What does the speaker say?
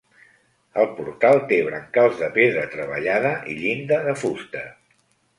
El portal té brancals de pedra treballada i llinda de fusta.